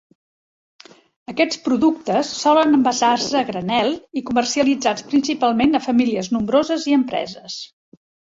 Aquests productes solen envasar-se a granel i comercialitzats principalment a famílies nombroses i empreses.